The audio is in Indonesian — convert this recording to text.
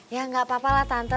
ya gak apa apalah tante